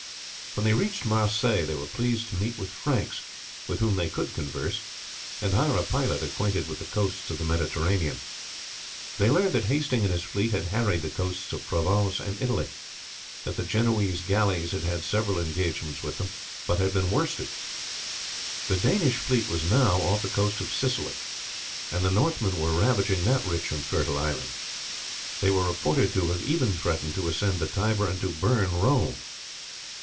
When they reached Marseilles they were pleased to meet with Franks, with whom they could converse, and hired a pilot acquainted with the coasts of the Mediterranean. They learned that Hasting and his fleet had harried the coasts of Provence and Italy; that the Genoese galleys had had several engagements with them, but had been worsted. The Danish fleet was now off the coast of Sicily, and the Northmen were ravaging that rich and fertile island. They were reported to have even threatened to ascend the Tiber and to burn Rome.